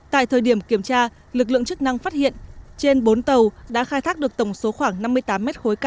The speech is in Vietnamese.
tại thời điểm kiểm tra lực lượng chức năng phát hiện trên bốn tàu đã khai thác được tổng số khoảng năm mươi tám m ba